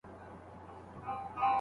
ایا ښوونکي به زموږ پاڼه وړاندي کړي؟